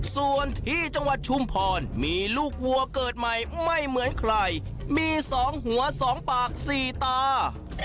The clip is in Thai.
ส่วนที่จังหวัดชุมพรมีลูกวัวเกิดใหม่ไม่เหมือนใครมี๒หัว๒ปาก๔ตา